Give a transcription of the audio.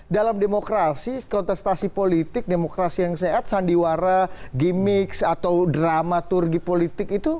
dalam demokrasi kontestasi politik demokrasi yang sehat sandiwara gimmicks atau drama turgi politik itu